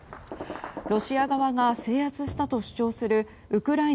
ロシア側が制圧したと主張するウクライナ